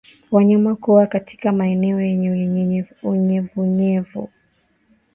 Wanyama kuwa katika maeneo yenye unyevunyevu